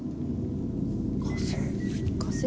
火星？